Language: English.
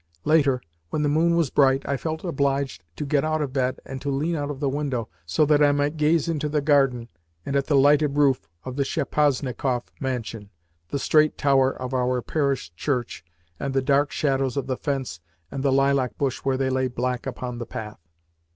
Later, when the moon was bright, I felt obliged to get out of bed and to lean out of the window, so that I might gaze into the garden, and at the lighted roof of the Shaposnikoff mansion, the straight tower of our parish church, and the dark shadows of the fence and the lilac bush where they lay black upon the path.